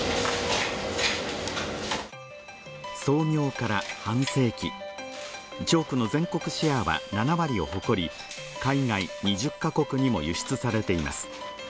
操業から半世紀チョークの全国シェアは７割を誇り海外２０か国にも輸出されています